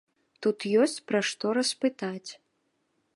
Тут ёсць пра што распытаць.